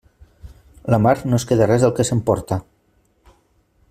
La mar no es queda res del que s'emporta.